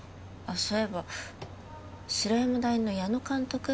そういえば白山大の矢野監督